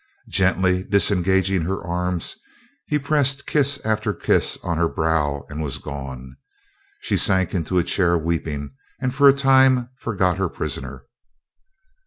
Gently disengaging her arms, he pressed kiss after kiss on her brow and was gone. She sank into a chair weeping, and for a time forgot her prisoner.